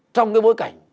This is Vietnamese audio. trong cái bối cảnh